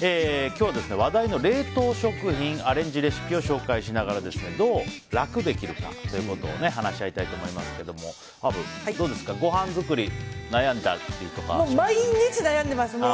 今日は話題の冷凍食品アレンジレシピを紹介しながらどう楽できるかということを話し合いたいと思いますがアブ、どうですかごはん作り悩んだということはありますか？